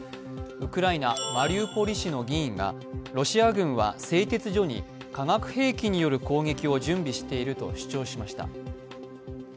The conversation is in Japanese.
ウクライナ・マリウポリ市の議員がロシア軍は製鉄所に化学兵器による攻撃を準備していると主張しました。